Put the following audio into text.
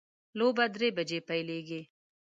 لوبه درې بجې پیلیږي